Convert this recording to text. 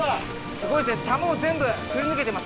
すごいですね。